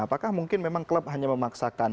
apakah mungkin memang klub hanya memaksakan